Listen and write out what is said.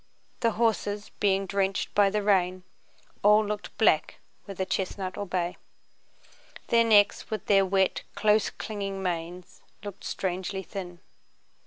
The horses, being drenched by the rain, all looked black whether chestnut or bay. Their necks, with their wet, close clinging manes, looked strangely thin.